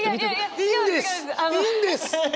いいんです！